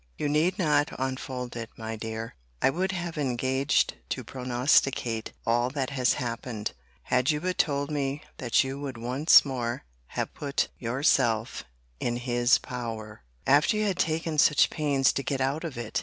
—You need not unfold it, my dear: I would have engaged to prognosticate all that has happened, had you but told me that you would once more have put yourself in his power, after you had taken such pains to get out of it.